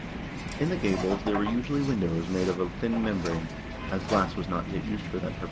In the gables there were usually windows made of a thin membrane, as glass was not yet used for that purpose.